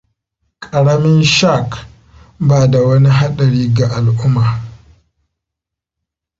Ƙaramin shark ba da wani haɗari ga alu'uma.